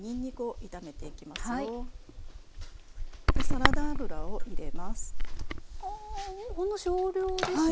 サラダ油を入れます。